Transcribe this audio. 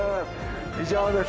以上です。